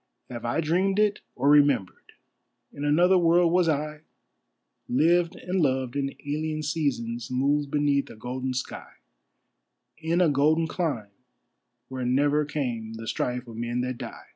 Have I dreamed it or remembered? In another world was I, Lived and loved in alien seasons, moved beneath a golden sky, In a golden clime where never came the strife of men that die.